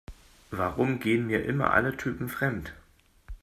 Warum gehen mir immer alle Typen fremd?